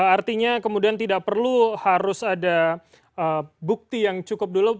artinya kemudian tidak perlu harus ada bukti yang cukup dulu